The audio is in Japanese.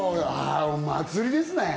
祭りですね。